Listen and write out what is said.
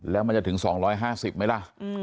แล้วมันจะถึง๒๕๐ไหมล่ะ